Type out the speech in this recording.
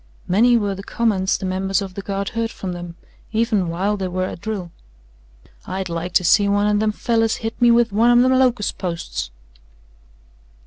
Many were the comments the members of the Guard heard from them, even while they were at drill. "I'd like to see one o' them fellers hit me with one of them locust posts."